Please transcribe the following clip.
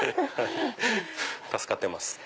助かってます。